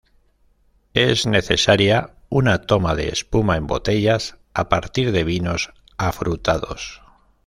Es necesaria una toma de espuma en botellas a partir de vinos afrutados.